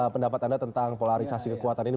pendapat anda tentang polarisasi kekuatan ini